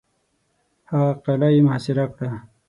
هغه قلا یې محاصره کړه.